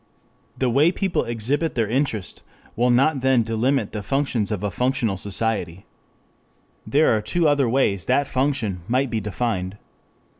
The way people exhibit their interest will not then delimit the functions of a functional society. There are two other ways that function might be defined.